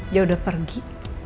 dia udah pergi